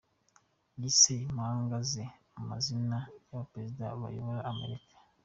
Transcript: Yise impanga ze amazina yabaperezida bayoboye america